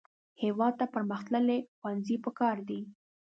هېواد ته پرمختللي ښوونځي پکار دي